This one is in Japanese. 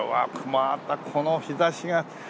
またこの日差しがもう。